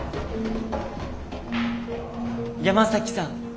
山崎さん。